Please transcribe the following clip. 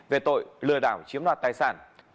về tội lừa đảo chiếm loạt tài sản